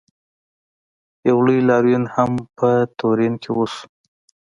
یو لوی لاریون هم په تورین کې وشو.